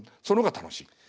その方が楽しい。